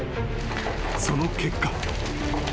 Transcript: ［その結果］